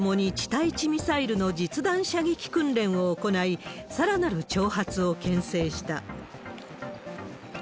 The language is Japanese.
対地ミサイルの実弾射撃訓練を行い、さらなる挑発をけん制した。